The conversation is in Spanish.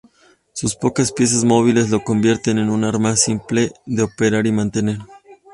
Sus pocas piezas móviles lo convierten en un arma simple de operar y mantener.